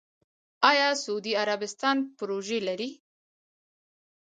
آیا سعودي عربستان پروژې لري؟